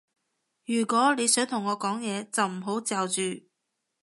如果你想同我講嘢，就唔好嚼住